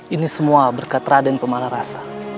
ini semua berkat raden pemalarasa